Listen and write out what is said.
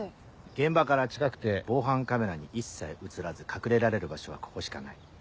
現場から近くて防犯カメラに一切写らず隠れられる場所はここしかない。